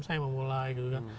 saya mau mulai gitu kan